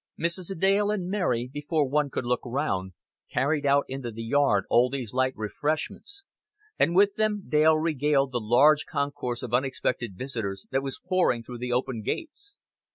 Mrs. Dale and Mary, before one could look round, carried out into the yard all these light refreshments, and with them Dale regaled the large concourse of unexpected visitors that was pouring through the opened gates.